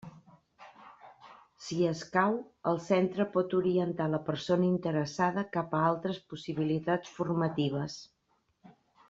Si escau, el centre pot orientar la persona interessada cap a altres possibilitats formatives.